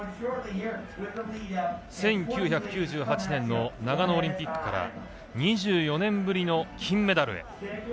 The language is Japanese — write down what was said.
１９９８年の長野オリンピックから２４年ぶりの金メダルへ。